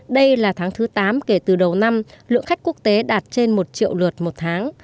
đây là tháng thứ tám kể từ đầu năm lượng khách quốc tế đạt trên một triệu lượt một tháng